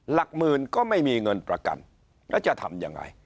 หลักหมื่นก็ไม่มีเงินประกันแล้วจะทำยังไง